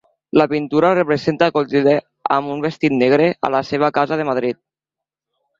La pintura representa a Clotilde amb un vestit negre a la seva casa de Madrid.